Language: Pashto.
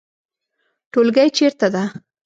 ټولګی چیرته ده؟